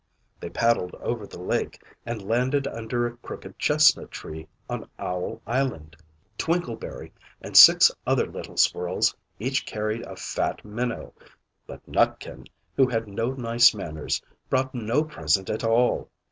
They paddled over the lake and landed under a crooked chestnut tree on Owl Island. Twinkleberry and six other little squirrels each carried a fat minnow; but Nutkin, who had no nice manners, brought no present at all.